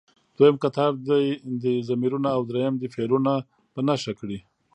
دویم کتار دې ضمیرونه او دریم دې فعلونه په نښه کړي.